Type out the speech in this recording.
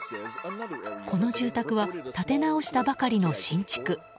この住宅は建て直したばかりの新築。